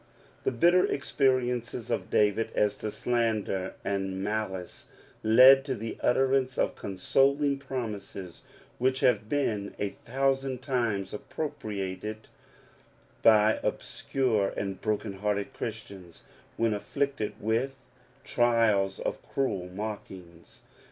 The bitted experiences of David as to slander and malice le to the utterance of consoling promises, which hav been a thousand times appropriated by obscure anc:^ broken hearted Christians when afflicted with"trial^ of cruel mockings."